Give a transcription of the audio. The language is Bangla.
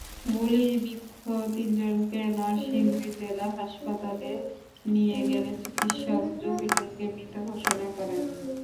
গুলিবিদ্ধ তিনজনকে নরসিংদী জেলা হাসপাতালে নিয়ে গেলে চিকিৎসক জহিরুলকে মৃত ঘোষণা করেন।